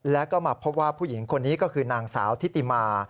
แล้วก็มาพบว่าผู้หญิงคนนี้ก็คือนางสาวทิติมา